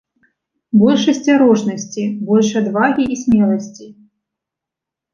Больш асцярожнасці, больш адвагі і смеласці.